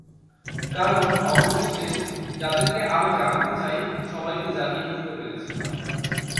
কারণ অবশেষে, যাদেরকে আমি জানাতে চাই, সবাইকে জানিয়ে ফেলতে পেরেছিলাম।